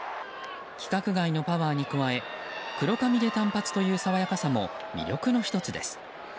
規格外のパワーに加え黒髪で短髪というさわやかさも魅力の１つです。